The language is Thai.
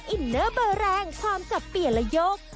อินเนอร์เบอร์แรงความสับเปลี่ยนและยก